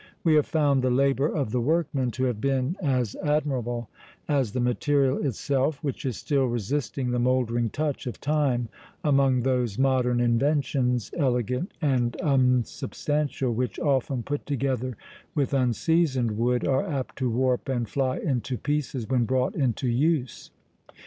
We have found the labour of the workmen to have been as admirable as the material itself, which is still resisting the mouldering touch of time among those modern inventions, elegant and unsubstantial, which, often put together with unseasoned wood, are apt to warp and fly into pieces when brought into use.